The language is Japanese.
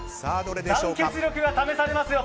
団結力が試されますよ。